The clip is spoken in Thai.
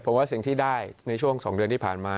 ผมว่าสิ่งที่ได้ในช่วงสองเดือนที่ผ่านมา